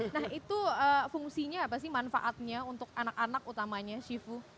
nah itu fungsinya apa sih manfaatnya untuk anak anak utamanya shifu